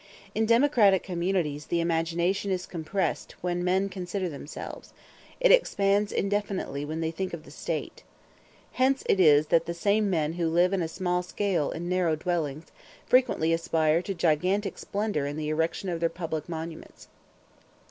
In democratic communities the imagination is compressed when men consider themselves; it expands indefinitely when they think of the State. Hence it is that the same men who live on a small scale in narrow dwellings, frequently aspire to gigantic splendor in the erection of their public monuments.